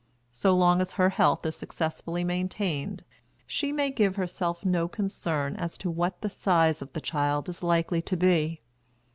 So long as her health is successfully maintained, she may give herself no concern as to what the size of the child is likely to be.